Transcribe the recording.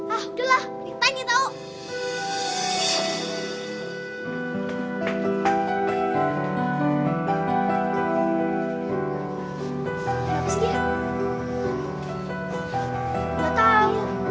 ah udah lah banyak tau